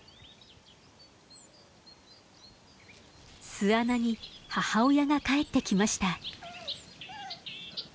巣穴に母親が帰ってきました。